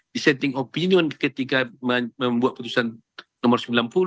dissenting opinion ketika membuat putusan nomor sembilan puluh